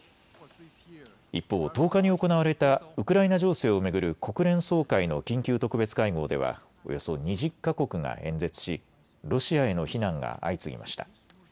一方、１０日に行われたウクライナ情勢を巡る国連総会の緊急特別会合ではおよそ２０か国が演説しロシアへの非難が相次ぎました。